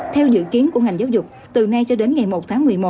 theo dự kiến của ngành giáo dục từ nay cho đến ngày một tháng một mươi một